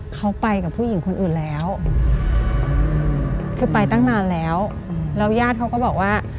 เขาไปกับผู้หญิงคนอื่นแล้วคือไปตั้งนานแล้วแล้วญาติเขาก็บอกว่า